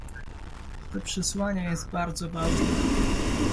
To przesłanie jest bardzo wyraźne